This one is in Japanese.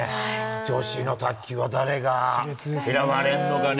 女子の卓球は誰が選ばれるのかね。